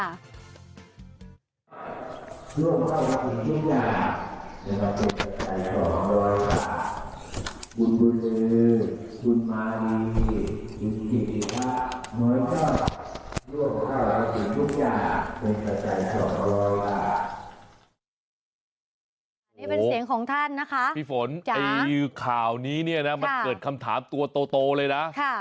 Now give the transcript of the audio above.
นี่เป็นเสียงของท่านนะคะพี่ฝนไอ้ข่าวนี้เนี่ยนะมันเกิดคำถามตัวโตเลยนะ